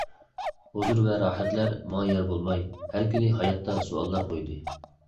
ھۇزۇر ۋە راھەتلەر ماڭا يار بولماي، ھەر كۈنى ھاياتقا سوئاللار قويدى!